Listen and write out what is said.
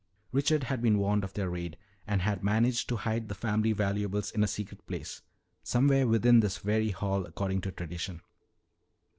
"Richard had been warned of their raid and had managed to hide the family valuables in a secret place somewhere within this very hall, according to tradition."